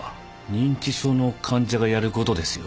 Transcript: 認知症の患者がやることですよ。